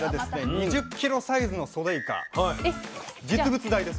２０ｋｇサイズのソデイカ実物大です